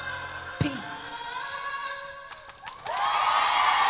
ピース。